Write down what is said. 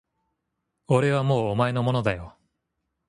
俺はもうお前のものだよ